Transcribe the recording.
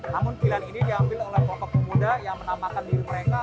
namun pilihan ini diambil oleh kelompok pemuda yang menamakan diri mereka